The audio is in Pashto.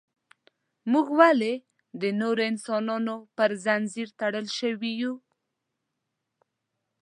موږ ولې د نورو انسانانو پر زنځیر تړل شوي یو.